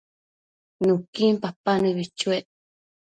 Nuquin papa nëbi chuec